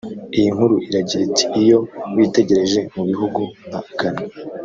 Iyi nkuru iragira iti iyo witegereje mu bihugu nka Ghana